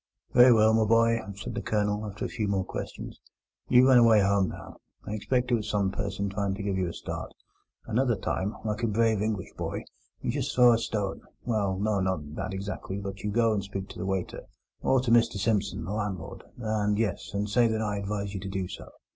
"Very well, my boy," said the Colonel, after a few more questions. "You run away home now. I expect it was some person trying to give you a start. Another time, like a brave English boy, you just throw a stone—well, no, not that exactly, but you go and speak to the waiter, or to Mr Simpson, the landlord, and—yes—and say that I advised you to do so."